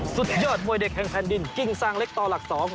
สุดยอดมวยเด็กแห่งแผ่นดินกิ้งซางเล็กต่อหลัก๒